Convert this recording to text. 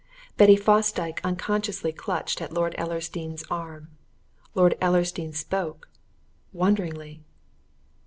Betty Fosdyke unconsciously clutched at Lord Ellersdeane's arm: Lord Ellersdeane spoke, wonderingly.